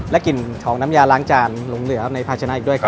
กลิ่นของน้ำยาล้างจานหลงเหลือในภาชนะอีกด้วยครับ